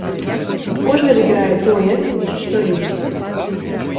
Кожны выбірае тое, што любіць.